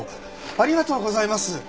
ありがとうございます！